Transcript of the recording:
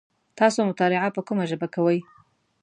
تاسو مطالعه په کومه ژبه کوی ؟